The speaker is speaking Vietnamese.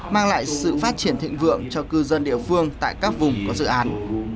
mang lại sự phát triển thịnh vượng cho cư dân địa phương tại các vùng có dự án